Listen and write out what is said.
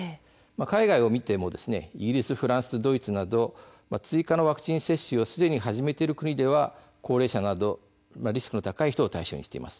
海外を見てもイギリス、フランスドイツなど追加のワクチン接種をすでに始めている国では高齢者などリスクの高い人を対象にしています。